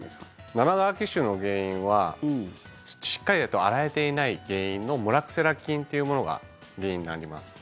生乾き臭の原因はしっかりと洗えていない原因のモラクセラ菌っていうものが原因になります。